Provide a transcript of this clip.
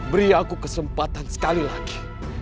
beri aku kesempatan sekali lagi